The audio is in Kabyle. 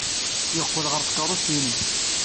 Yeqqel ɣer tkeṛṛust-nnes.